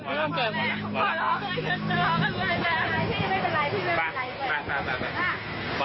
จะได้ไม่ต้องมาซื้อ